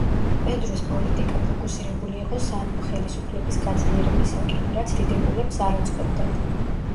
პედრუს პოლიტიკა ფოკუსირებული იყო სამეფო ხელისუფლების გაძლიერებისაკენ, რაც დიდებულებს არ აწყობდათ.